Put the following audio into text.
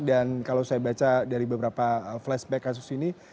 dan kalau saya baca dari beberapa flashback kasus ini